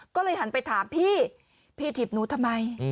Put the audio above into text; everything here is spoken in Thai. ก็เลยหันไปถามพี่พี่ถีบหนูทำไม